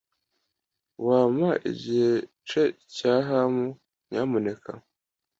Wampa igice cya ham, nyamuneka?